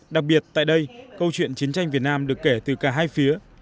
đặc biệt tại đây câu chuyện chiến tranh việt nam được kể từ cả hai phía